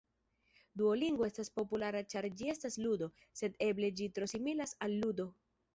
Duolingo estas populara ĉar ĝi estas ludo, sed eble ĝi tro similas al ludo.